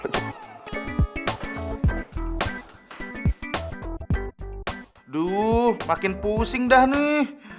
aduh makin pusing dah nih